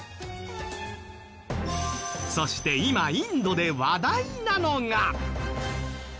そして今インドで話題なのが。